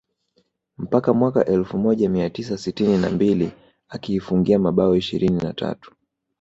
mpaka mwaka elfu moja mia tisa sitini na mbili akiifungia mabao ishirini na tatu